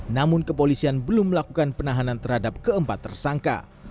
namun kepolisian belum melakukan penahanan terhadap keempat tersangka